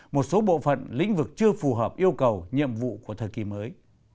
một số bộ phận lĩnh vực chưa phù hợp yêu cầu nhiệm vụ của thời kỳ mới